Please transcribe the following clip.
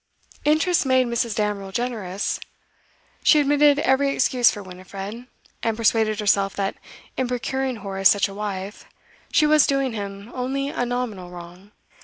Interest made Mrs. Damerel generous; she admitted every excuse for Winifred, and persuaded herself that in procuring Horace such a wife she was doing him only a nominal wrong.